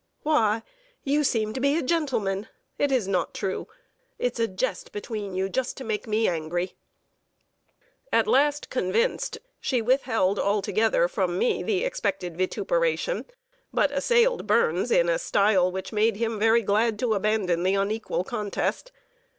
"Why, you seem to be a gentleman. It is not true! It's a jest between you just to make me angry." At last convinced, she withheld altogether from me the expected vituperation, but assailed Burns in a style which made him very glad to abandon the unequal contest.